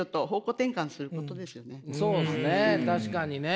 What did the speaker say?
確かにね。